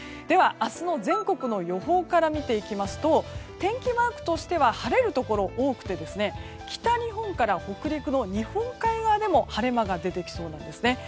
では、明日の全国の予報から見ていきますと天気マークとしては晴れのところが多くて北日本から北陸の日本海側でも晴れ間が出てきそうなんです。